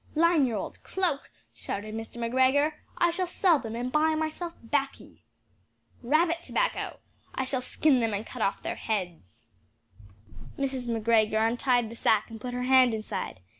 "Line your old cloak?" shouted Mr. McGregor "I shall sell them and buy myself baccy!" "Rabbit tobacco! I shall skin them and cut off their heads." Mrs. McGregor untied the sack and put her hand inside.